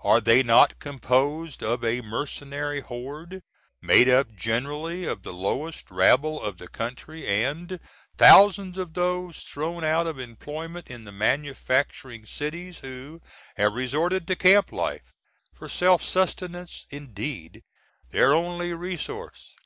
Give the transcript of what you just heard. Are they not composed of a Mercenary horde, made up generally of the lowest rabble of the Country, & thousands of those thrown out of employment in the manufacturing cities who have resorted to camp life for self sustenance indeed _their only resource?